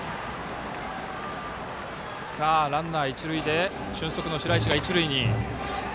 ランナー、一塁で俊足の白石が一塁に。